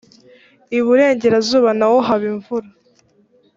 iburengerazuba naho haba imvura.